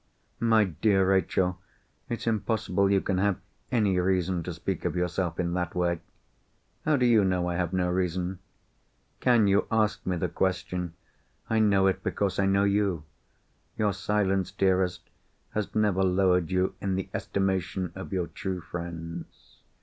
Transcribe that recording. "My dear Rachel! it's impossible you can have any reason to speak of yourself in that way!" "How do you know I have no reason?" "Can you ask me the question! I know it, because I know you. Your silence, dearest, has never lowered you in the estimation of your true friends.